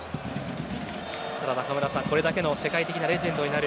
中村さん、これだけの世界的なレジェンドになる